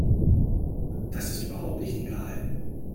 Das ist überhaupt nicht egal.